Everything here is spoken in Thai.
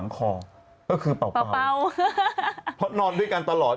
ก็คือเป้านะครับเพราะนอนด้วยกันตลอด